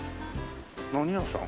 何屋さん？